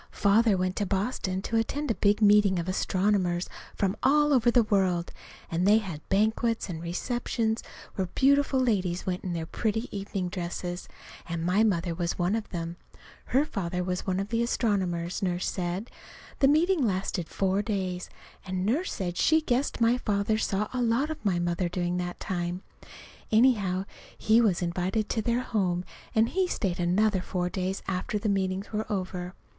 Father went to Boston to attend a big meeting of astronomers from all over the world, and they had banquets and receptions where beautiful ladies went in their pretty evening dresses, and my mother was one of them. (Her father was one of the astronomers, Nurse said.) The meetings lasted four days, and Nurse said she guessed my father saw a lot of my mother during that time. Anyhow, he was invited to their home, and he stayed another four days after the meetings were over.